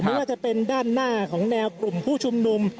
ไม่ว่าจะเป็นด้านหน้าของแนวกลุ่มผู้ชุมนุม